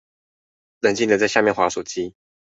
冷靜地在下面滑手機